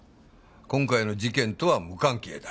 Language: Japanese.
今回の事件とは無関係だ。